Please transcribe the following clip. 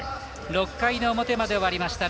６回の表まで終わりました。